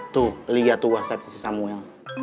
tuh liat tuh whatsapp si samuel